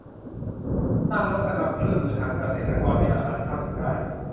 สร้างนวัตกรรมเครื่องมือทางการเกษตรในราคาที่เข้าถึงได้